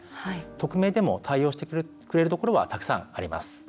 匿名でも対応してくれるところはたくさんあります。